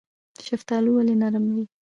شفتالو ولې نرم وي؟